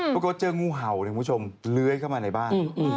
เพราะเกิดเจองูเห่าลื้อยเข้ามาในบ้าน